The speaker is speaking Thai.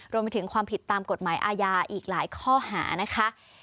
รวมไปถึงความผิดตามกฎหมายอาญาอีกหลายข้อหานะคะ